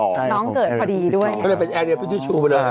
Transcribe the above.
อ๋อใช่ครับผม